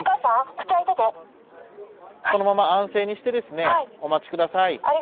このまま安静にしてですねお待ち下さい。